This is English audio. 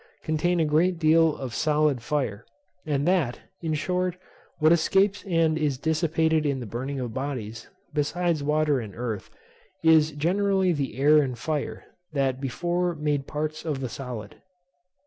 contain a great deal of solid fire; and that, in short, what escapes and is dissipated in the burning of bodies, besides water and earth, is generally the air and fire, that before made parts of the solid."